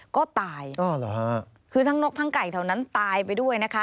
ก็ตายคือทั้งนกทั้งไก่เท่านั้นตายไปด้วยนะคะ